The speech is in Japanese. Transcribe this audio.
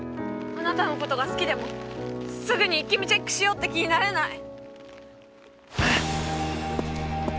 あなたのことが好きでもすぐに「イッキ見！」チェックしようって気になれない。